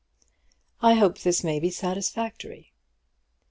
I hope that this may be satisfactory.